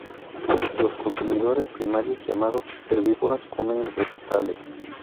Los consumidores primarios, llamados herbívoros, comen vegetales.